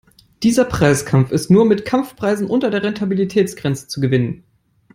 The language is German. Dieser Preiskampf ist nur mit Kampfpreisen unter der Rentabilitätsgrenze zu gewinnen.